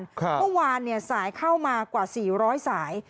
เมื่อวานสายเข้ามากว่า๔๐๐สาย